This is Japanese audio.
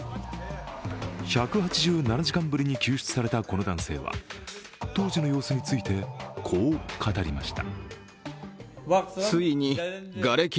１８７時間ぶりに救出されたこの男性は当時の様子について、こう語りました。